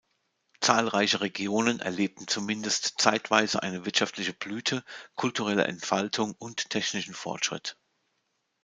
Zahlreiche Regionen erlebten zumindest zeitweise eine wirtschaftliche Blüte, kulturelle Entfaltung und technischen Fortschritt.